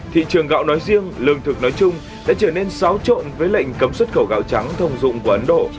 thị trường gạo nói riêng lương thực nói chung đã trở nên xáo trộn với lệnh cấm xuất khẩu gạo trắng thông dụng của ấn độ